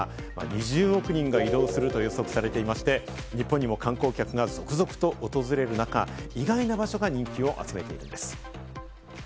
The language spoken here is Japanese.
２０億人が移動すると予測されていまして、日本にも観光客が続々と訪れる中、意外な場所が人気を集めています。